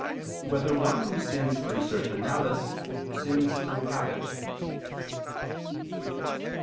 3] Whether One Who Sins Through Certain Malice, Sins Through Habit?